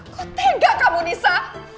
kok tega kamu nisa